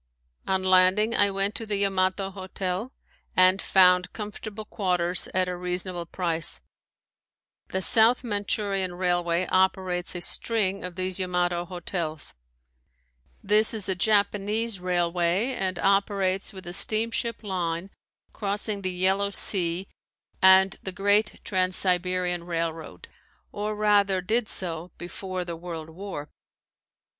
On landing I went to the Yamato hotel and found comfortable quarters at a reasonable price. The South Manchurian railway operates a string of these Yamato hotels. This is a Japanese railway and operates with a steamship line crossing the Yellow Sea and the great Trans Siberian railroad, or rather did so before the world war.